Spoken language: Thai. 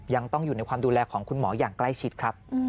ยังต้องอยู่ในความดูแลของคุณหมออย่างใกล้ชิดครับ